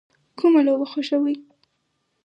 کومه لوبه خوښوئ؟